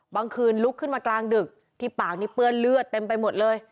เมื่อคืนลุกขึ้นมากลางดึกที่ปากนี้เปื้อนเลือดเต็มไปหมดเลย